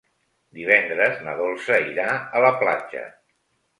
Divendres na Dolça irà a la platja.